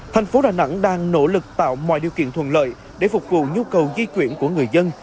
thành phố đà nẵng đang nỗ lực tạo mọi điều kiện thuận lợi để phục vụ nhu cầu di chuyển của người dân